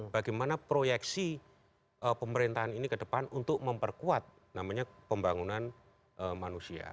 bagaimana proyeksi pemerintahan ini ke depan untuk memperkuat namanya pembangunan manusia